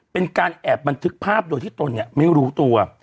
เป็นการแอบบันทึกภาพโดยที่ตนเนี่ยไม่รู้ตัว